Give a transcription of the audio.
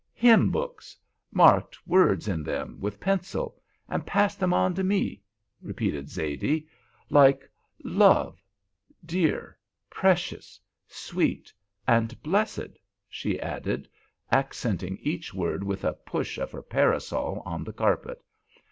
"Hymn books—marked words in them with pencil—and passed 'em on to me," repeated Zaidee. "Like 'love,' 'dear,' 'precious,' 'sweet,' and 'blessed,'" she added, accenting each word with a push of her parasol on the carpet.